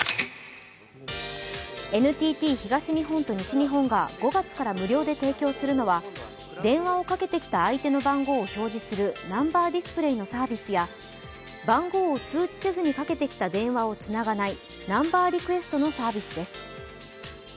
ＮＴＴ東日本と西日本が５月から無料で提供するのは電話をかけてきた相手の番号を表示するナンバーディスプレイのサービスや番号を通知せずにかけてきた電話をつながないナンバーリクエストのサービスです。